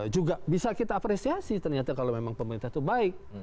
juga bisa kita apresiasi ternyata kalau memang pemerintah itu baik